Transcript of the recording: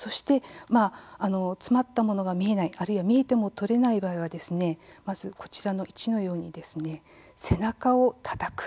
詰まったものが見えないあるいは見えても取れない場合はこちらのように背中をたたく。